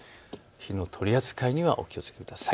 火の取り扱いにはお気をつけください。